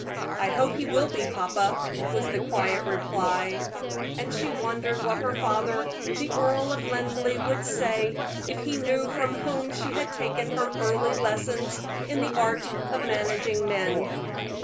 "I hope he will be, papa," was the quiet reply. And she wondered what her father, the Earl of Linleigh, would say if he knew from whom she had taken her early lessons in the art of managing men.